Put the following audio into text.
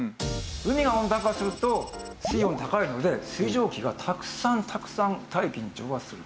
海が温暖化すると水温高いので水蒸気がたくさんたくさん大気に蒸発すると。